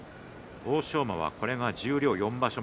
欧勝馬は、これが十両４場所目。